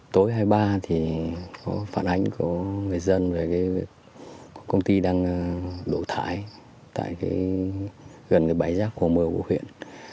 tối hai mươi ba thì có phản ánh của người dân về công ty đang đổ thải tại gần bãi rác hồ mơ của huyện